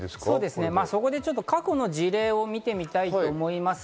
過去の事例を見てみたいと思います。